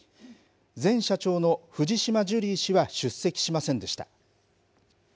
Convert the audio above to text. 前社長の藤島ジュリー氏は出席しませんでした。